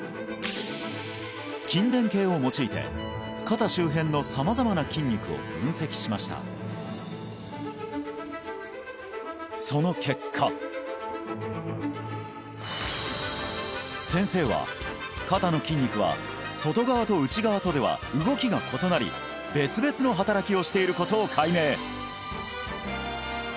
筋電計を用いて肩周辺の様々な筋肉を分析しましたその結果先生は肩の筋肉は外側と内側とでは動きが異なり別々の働きをしていることを解明！